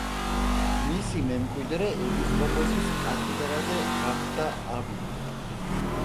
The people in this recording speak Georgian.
მისი მემკვიდრე ეპისკოპოსის კათედრაზე გახდა ავილი.